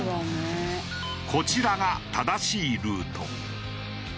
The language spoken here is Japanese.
こちらが正しいルート。